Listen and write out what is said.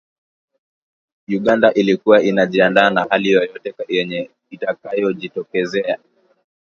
Uganda ilikuwa inajiandaa na hali yoyote yenye itakayojitokeza